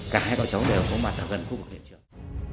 cả hai cậu cháu đều có mặt gần khu vực hiện trường